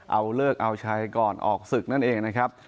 เอาเลิกเอาชัยก่อนออกศึกนั่นเองนะครับ